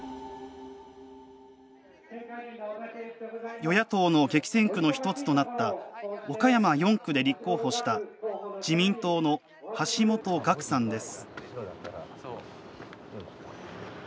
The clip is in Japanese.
与野党の激戦区の１つとなった岡山４区で立候補した自民党の橋本岳さんです。